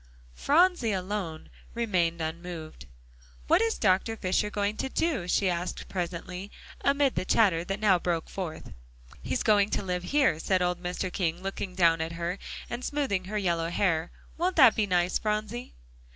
Phronsie alone remained unmoved. "What is Dr. Fisher going to do?" she asked presently, amid the chatter that now broke forth. "He's going to live here," said old Mr. King, looking down at her, and smoothing her yellow hair. "Won't that be nice, Phronsie?"